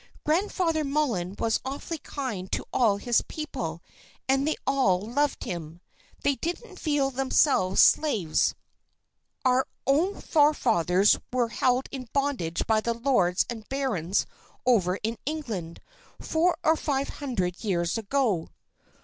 Grandfather Mullin was awfully kind to all his people, and they all loved him. They didn't feel themselves slaves. Our own forefathers were held in bondage by the lords and barons over in England, four or five hundred years ago."